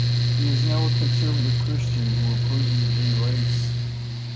He is now a conservative Christian who opposes gay rights.